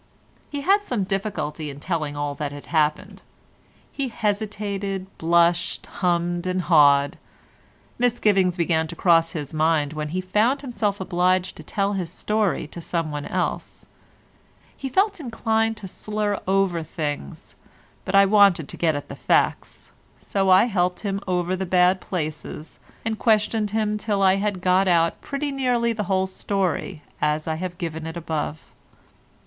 He had some difficulty in telling all that had happened. He hesitated, blushed, hummed and hawed. Misgivings began to cross his mind when he found himself obliged to tell his story to someone else. He felt inclined to slur things over, but I wanted to get at the facts, so I helped him over the bad places, and questioned him till I had got out pretty nearly the whole story as I have given it above.